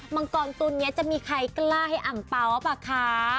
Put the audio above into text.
มังกรตัวนี้จะมีใครกล้าให้อังเปล่าหรือเปล่าคะ